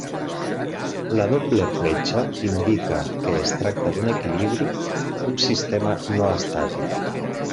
La doble fletxa indica que es tracta d'un equilibri, un sistema no estàtic.